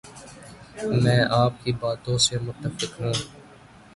میں آپ کی باتوں سے متفق ہوں